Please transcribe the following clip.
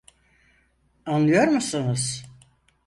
Anlıyor musunuz?